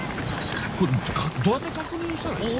どうやって確認したらいい？